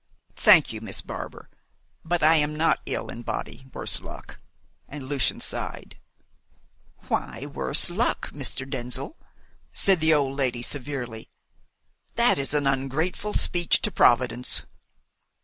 "Thank you, Miss Barbar, but I am not ill in body worse luck!" and Lucian sighed. "Why worse luck, Mr. Denzil?" said the old lady severely. "That is an ungrateful speech to Providence."